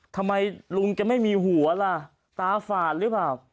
ทำไมลุงแกไม่มีหัวล่ะตาฝาดหรือเปล่า